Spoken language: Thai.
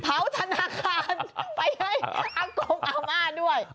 ธนาคารไปให้อากงอาม่าด้วย